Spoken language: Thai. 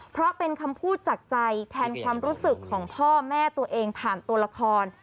เพราะเป็นคำพูดจากใจแทนความรู้สึกของพ่อแม่ตัวเองผ่านตัวละคร